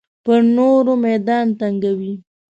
پر نورو میدان تنګوي.